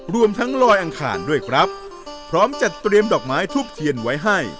รวมทั้งลอยอังคารด้วยครับพร้อมจัดเตรียมดอกไม้ทูบเทียนไว้ให้